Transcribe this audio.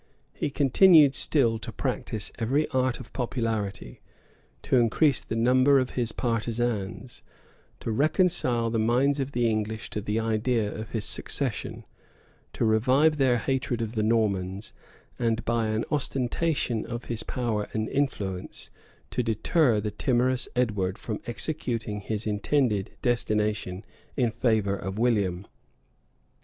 He continued still to practise every art of popularity; to increase the number of his partisans; to reconcile the minds of the English to the idea of his succession; to revive their hatred of the Normans; and, by an ostentation of his power and influence, to deter the timorous Edward from executing his intended destination in favor of William.